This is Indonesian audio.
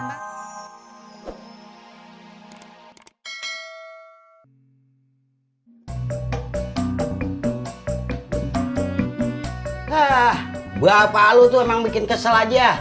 ah bapak lu tuh emang bikin kesel aja